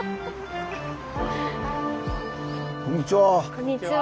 こんにちは。